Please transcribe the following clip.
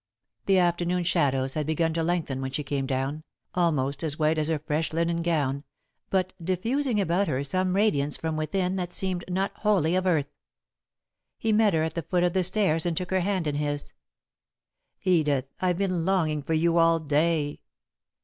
The afternoon shadows had begun to lengthen when she came down, almost as white as her fresh linen gown, but diffusing about her some radiance from within that seemed not wholly of earth. He met her at the foot of the stairs, and took her hand in his. "Edith! I've been longing for you all day!"